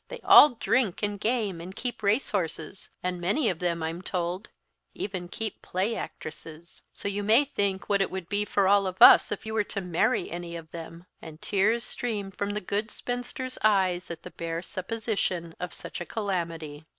They all drink, and game, and keep race horses; and many of them, I'm told, even keep play actresses; so you may think what it would be for all of us if you were to marry any of them," and tears streamed from the good spinster's eyes at the bare supposition of such a calamity.